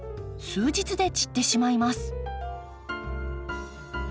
数日で散ってしまいます。